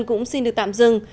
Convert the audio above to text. cũng xin được tạm dừng